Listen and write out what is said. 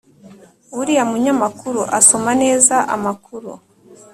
Uriya munyamakuru asoma neza amakuru